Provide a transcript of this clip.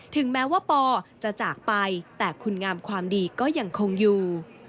ถึงแม้ว่าปอจะจากไปแต่คุณงามความดีก็ยังคงอยู่